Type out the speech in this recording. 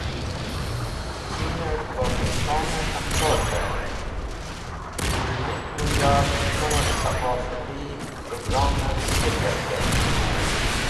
Cheen et Pokistone Fankorve de Gulmit Gujal cumqur saqafati programev shirkat kert.